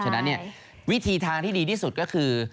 ฉะนั้นวิธีทางที่ดีที่สุดก็คือ